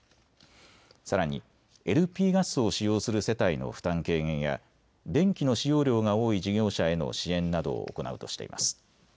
さらにＬＰガスを使用する世帯の負担軽減や電気の使用量が多い事業者への支援などを行うとしています。